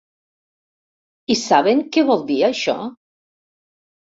I saben què vol dir això?